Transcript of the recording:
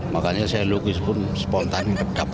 makanya saya lukis pun spontan